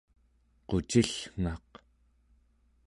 qucillngaq